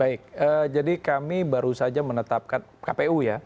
baik jadi kami baru saja menetapkan kpu ya